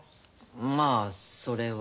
まあそれは。